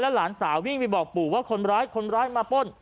หลานสาววิ่งไปบอกปู่ว่าคนร้ายคนร้ายมาป้น